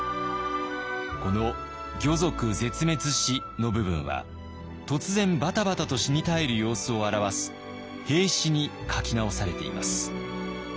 この「魚族絶滅し」の部分は突然バタバタと死に絶える様子を表す「斃死」に書き直されています。